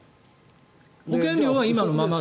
保険料は今のままです。